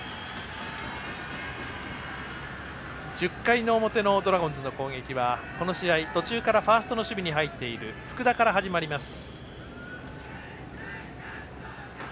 １０回の表のドラゴンズの攻撃はこの試合、途中からファーストの守備に入っている福田から始まります。